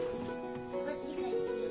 こっちこっち。